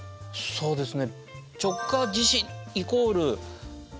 そうですよね。